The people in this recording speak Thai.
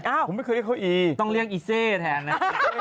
ผมไม่เคยเรียกเขาอีต้องเรียกอีเซ่แทนนะ